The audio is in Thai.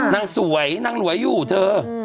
นางสวยนางรวยอยู่เธอ